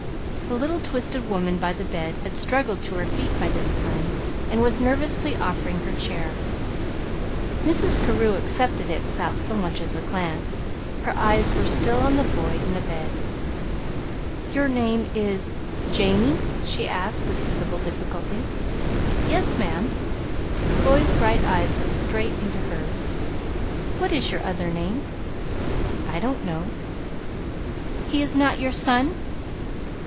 The little twisted woman by the bed had struggled to her feet by this time, and was nervously offering her chair. Mrs. Carew accepted it without so much as a glance. Her eyes were still on the boy in the bed. "Your name is Jamie?" she asked, with visible difficulty. "Yes, ma'am." The boy's bright eyes looked straight into hers. "What is your other name?" "I don't know." "He is not your son?"